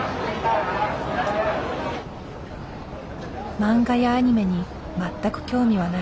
漫画やアニメに全く興味はない。